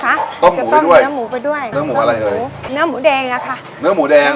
จะต้องเนื้อหมูไปด้วยเนื้อหมูอะไรคะหมูเนื้อหมูแดงอะค่ะเนื้อหมูแดง